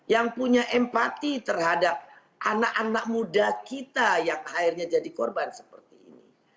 yang punya empati terhadap anak anak muda kita yang akhirnya jadi korban seperti ini